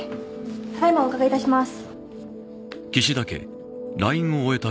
ただいまお伺いいたします